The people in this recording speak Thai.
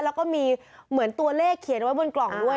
แล้วก็มีเหมือนตัวเลขเขียนไว้บนกล่องด้วย